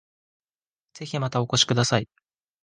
ぜひまたお越しください